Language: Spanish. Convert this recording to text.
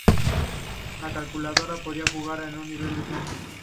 La calculadora podía jugar en un nivel decente.